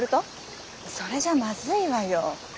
それじゃまずいわよ。